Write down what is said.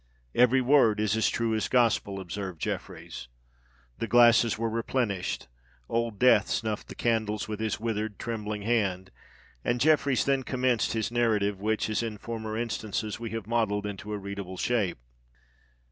"Every word is as true as gospel," observed Jeffreys. The glasses were replenished—Old Death snuffed the candles with his withered, trembling hand—and Jeffreys then commenced his narrative, which, as in former instances, we have modelled into a readable shape.